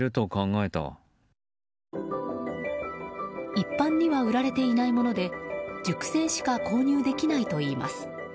一般には売られていないもので塾生しか購入できないといいます。